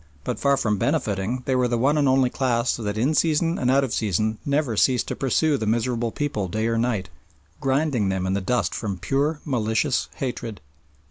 But far from benefiting they were the one and only class that in season and out of season never ceased to pursue the miserable people day or night, grinding them in the dust from pure malicious hatred.